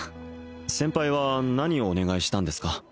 先輩は何をお願いしたんですか？